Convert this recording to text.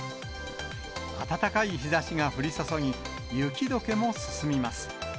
暖かい日ざしが降り注ぎ、雪どけも進みます。